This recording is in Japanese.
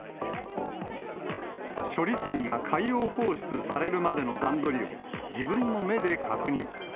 処理水が海洋放出されるまでの段取りを、自分の目で確認。